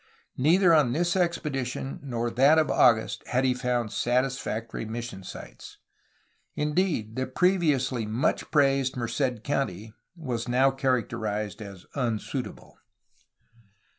Neither on this expedition nor in that of August had he found satisfac tory mission sites. Indeed the previously much praised Merced country was now characterized as unsuitable.